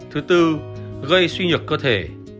thứ tư gây suy nhược cơ thể